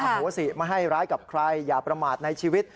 โหสิไม่ให้ร้ายกับใครอย่าประมาทในชีวิต